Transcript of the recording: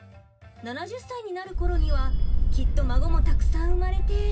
７０歳になる頃にはきっと孫もたくさん生まれて。